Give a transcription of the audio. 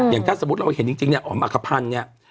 อย่างถ้าสมมุติเราเห็นจริงเนี่ยอ๋อมอักขพันธ์เนี่ย